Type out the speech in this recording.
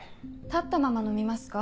立ったまま飲みますか？